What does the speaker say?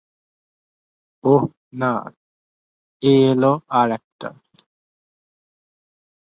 ওহ, না, এই এলো আর একটা!